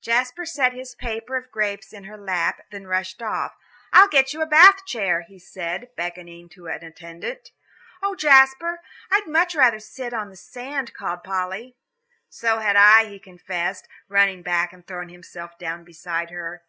Jasper set his paper of grapes in her lap, then rushed off. "I'll get you a Bath chair," he said, beckoning to the attendant. "Oh, Jasper, I'd so much rather sit on the sand," called Polly. "So had I," he confessed, running back and throwing himself down beside her.